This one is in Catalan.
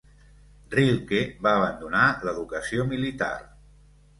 Rilke va abandonar l'educació militar.